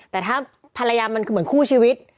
แต่ถ้าภรรยามันคือเหมือนคู่ชีวิต